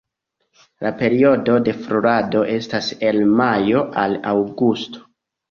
La periodo de florado estas el majo al aŭgusto.